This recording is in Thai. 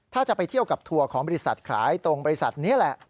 ถ้าจะไปเที่ยวกับทัวร์ของบริษัทขายตรงบริษัทนี้แหละ